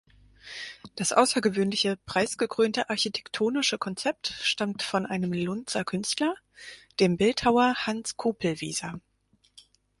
Das außergewöhnliche preisgekrönte architektonische Konzept stammt von einem Lunzer Künstler, dem Bildhauer Hans Kupelwieser.